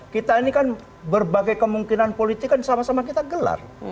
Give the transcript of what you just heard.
kita ini kan berbagai kemungkinan politik kan sama sama kita gelar